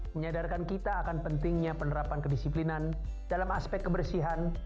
menyadarkan kita akan pentingnya penerapan kedisiplinan dalam aspek kebersihan